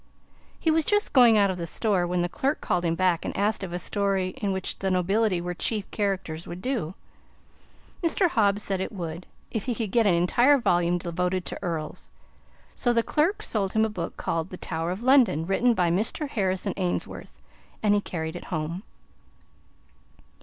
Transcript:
He was just going out of the store, when the clerk called him back and asked him if a story in which the nobility were chief characters would do. Mr. Hobbs said it would if he could not get an entire volume devoted to earls. So the clerk sold him a book called "The Tower of London," written by Mr. Harrison Ainsworth, and he carried it home.